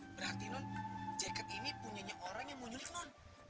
berarti non jaket ini punyanya orang yang menyulit non